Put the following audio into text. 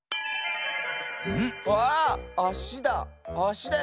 わああしだ。